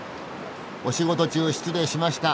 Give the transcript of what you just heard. お仕事中失礼しました。